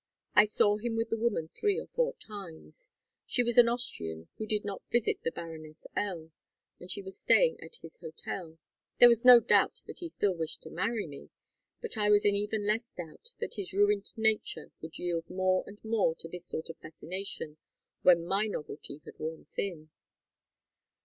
I saw him with the woman three or four times. She was an Austrian who did not visit the Baroness L., and she was staying at his hotel. There was no doubt that he still wished to marry me, but I was in even less doubt that his ruined nature would yield more and more to this sort of fascination when my novelty had worn thin.